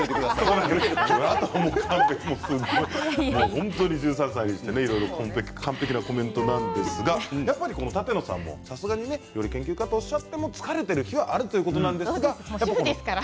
本当に１３歳にして完璧なコメントなんですがやっぱり舘野さんもさすがに料理研究家といっても疲れている日があるということですから。